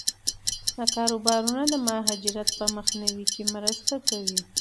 دا کاروبارونه د مهاجرت په مخنیوي کې مرسته کوي.